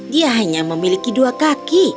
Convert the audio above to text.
dia hanya memiliki dua kaki